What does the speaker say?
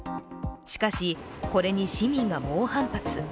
しかし、これに市民が猛反発。